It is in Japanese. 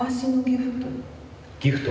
ギフト。